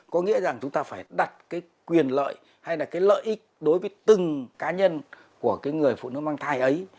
có nghĩa rằng chúng ta phải đặt quyền lợi hay là lợi ích đối với từng cá nhân của người phụ nữ mang thai ấy